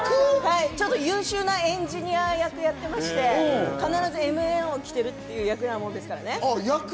優秀なエンジニア役をやっていまして、必ずＭＡ−１を着ているっていう役なものですからね。